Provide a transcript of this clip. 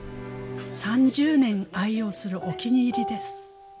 ３０年愛用するお気に入りです。